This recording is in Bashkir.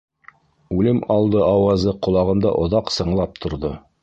Үлем алды ауазы ҡолағымда оҙаҡ сыңлап торҙо.